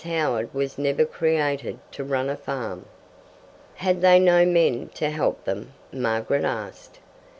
Howard was never created to run a farm." "Had they no men to help them?" Margaret asked.